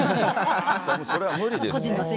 それは無理ですよ。